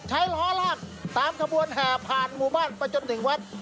ล้อลากตามขบวนแห่ผ่านหมู่บ้านไปจนถึงวัด